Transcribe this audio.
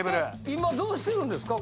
今どうしてるんですか？